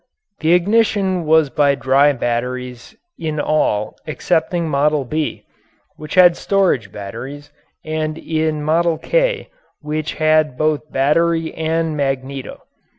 The ignition was by dry batteries in all excepting "Model B," which had storage batteries, and in "Model K" which had both battery and magneto.